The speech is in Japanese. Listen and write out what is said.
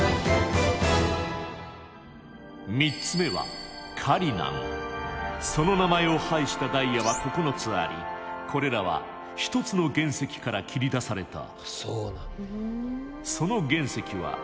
３つ目はその名前を配したダイヤは９つありこれらは１つの原石から切り出された。